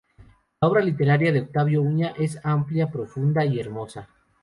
La obra literaria de Octavio Uña es amplia, profunda y hermosa.